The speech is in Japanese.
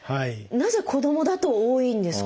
なぜ子どもだと多いんですか？